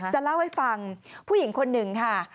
จะเล่าให้ฟังผู้หญิงคนหนึ่งค่ะ